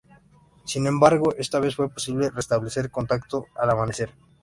Sin embargo, esta vez fue posible restablecer contacto al amanecer.